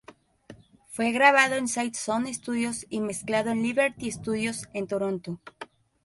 Fue grabado en Site Sound Studios y mezclado en Liberty Studios en Toronto.